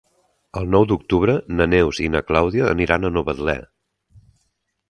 El nou d'octubre na Neus i na Clàudia aniran a Novetlè.